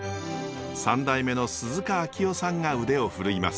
３代目の鈴鹿秋雄さんが腕を振るいます。